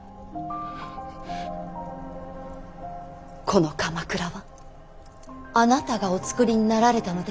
この鎌倉はあなたがおつくりになられたのです。